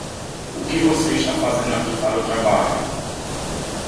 O que você está fazendo aqui para o trabalho?